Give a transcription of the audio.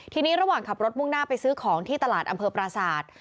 ทีนี้ระหว่างขับรถมุ่งหน้าไปซื้อของที่ตลาดอำเภอปราศาสตร์